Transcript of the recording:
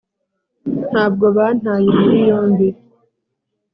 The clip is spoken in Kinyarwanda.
ntabwo bantaye muri yombi,